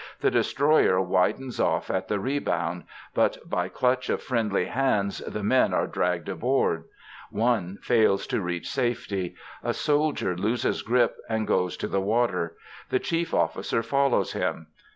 The destroyer widens off at the rebound, but by clutch of friendly hands the men are dragged aboard. One fails to reach safety. A soldier loses grip and goes to the water. The chief officer follows him.